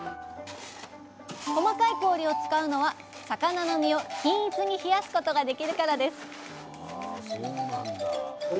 細かい氷を使うのは魚の身を均一に冷やすことができるからです